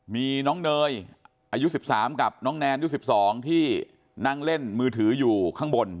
มีน้องเนยอายุ๑๓กับน้องแนนยุค๑๒ที่นั่งเล่นมือถืออยู่ข้างบน